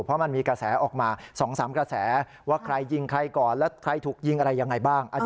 คุณก็มีชาย๓หญิง๑ชาย๒หญิง๒บ้าง